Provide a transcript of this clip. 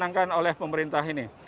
dan diperlukan oleh pemerintah ini